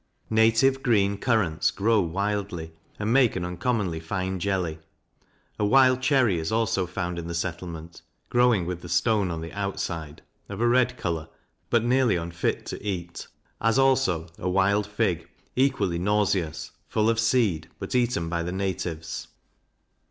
Native green currants grow wildly, and make an uncommonly fine jelly. A wild cherry is also found in the settlement, growing with the stone on the outside, of a red colour, but nearly unfit to eat; as also a wild fig, equally nauseous, full of seed, but eaten by the natives.